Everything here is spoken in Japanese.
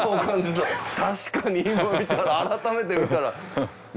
たしかに今見たら改めて見たら。